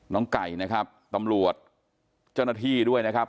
ไก่นะครับตำรวจเจ้าหน้าที่ด้วยนะครับ